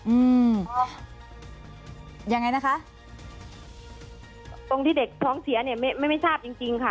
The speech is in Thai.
อืมยังไงนะคะตรงที่เด็กท้องเสียเนี่ยไม่ไม่ทราบจริงจริงค่ะ